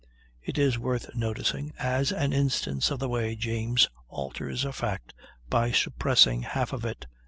It is worth noticing, as an instance of the way James alters a fact by suppressing half of it.